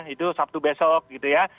itu sabtu besok gitu ya